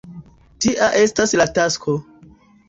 Tia estas la tasko.